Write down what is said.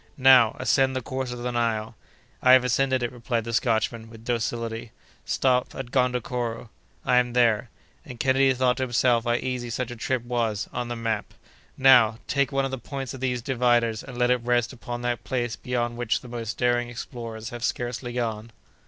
"Now, ascend the course of the Nile." "I have ascended it," replied the Scotchman, with docility. "Stop at Gondokoro." "I am there." And Kennedy thought to himself how easy such a trip was—on the map! "Now, take one of the points of these dividers and let it rest upon that place beyond which the most daring explorers have scarcely gone."